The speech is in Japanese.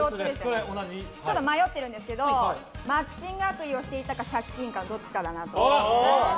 ちょっと迷ってるんですけどマッチングアプリをしていたか借金かどっちかだなと。